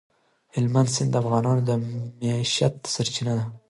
هلمند سیند د افغانانو د معیشت سرچینه ده.